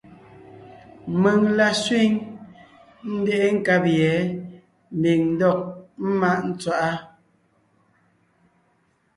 Mèŋ la sẅîŋ, ńdeʼe nkab yɛ̌ ḿbiŋ ńdɔg ḿmáʼ tswaʼá.